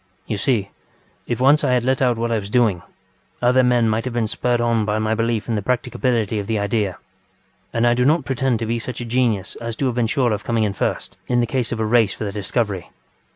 You see, if once I had let out what I was doing, other men might have been spurred on by my belief in the practicability of the idea; and I do not pretend to be such a genius as to have been sure of coming in first, in the case of a race for the discovery.